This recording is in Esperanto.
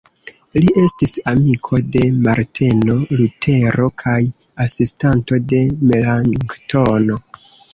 Li estis amiko de Marteno Lutero kaj asistanto de Melanktono.